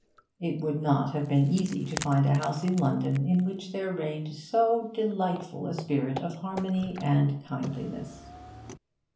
It would not have been easy to find a house in London in which there reigned so delightful a spirit of harmony and kindliness.